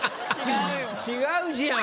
「違うじゃん」